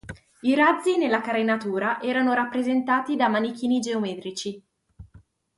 I razzi nella carenatura erano rappresentati da manichini geometrici.